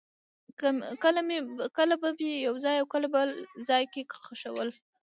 کله به مې یو ځای او کله بل ځای کې خښول.